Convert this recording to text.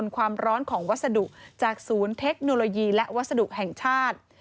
ความร้อนของวัสดุจากศูนย์เทคโนโลยีและวัสดุแห่งชาติ